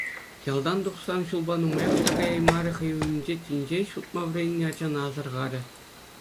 Ялтан тухсан ҫулпа нумаях та каяймарӗ хӑй умӗнче тин ҫеҫ утма вӗреннӗ ачана асӑрхарӗ.